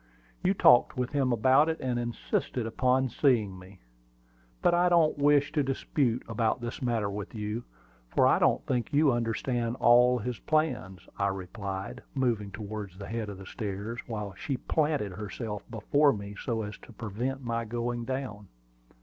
You talked with him about it, and insisted upon seeing me. But I don't wish to dispute about this matter with you, for I don't think you understand all his plans," I replied, moving towards the head of the stairs, while she planted herself before me so as to prevent my going down.